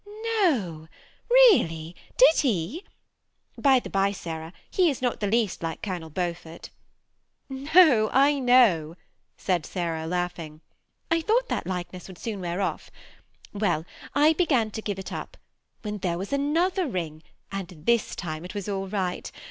"No, really, did he? By the by, Sarah, he is not the least like Colonel Beaufort." "No; I know," said Sarah, laughing. •*! thought that likeness would soon wear off. Well, I began to give it up, when there was another ring, and this time it was all right.